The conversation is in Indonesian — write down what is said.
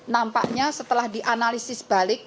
nampaknya setelah dianalisis balik